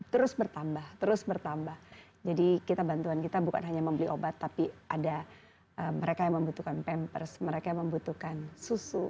terus bertambah terus bertambah jadi kita bantuan kita bukan hanya membeli obat tapi ada mereka yang membutuhkan pampers mereka membutuhkan susu